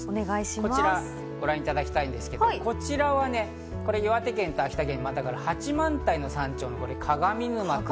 こちらご覧いただきたいんですけど、こちらは岩手県と秋田県にまたがる八幡平の山頂の鏡沼。